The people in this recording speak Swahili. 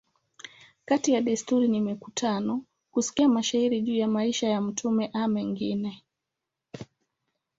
Kati ya desturi ni mikutano, kusikia mashairi juu ya maisha ya mtume a mengine.